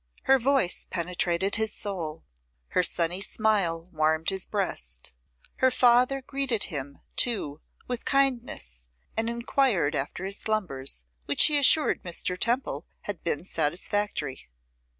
Her voice penetrated his soul; her sunny smile warmed his breast. Her father greeted him too with kindness, and inquired after his slumbers, which he assured Mr. Temple had been satisfactory.